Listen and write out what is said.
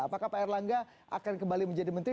apakah pak erlangga akan kembali menjadi menteri